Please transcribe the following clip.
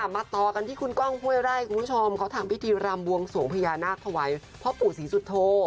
มาต่อกันที่คุณกล้องพ่วยร่ายคุณผู้ชมเขาถามพิธีรามบวงสวงพญานาคตไว้พ่อปู่ศรีสุทโท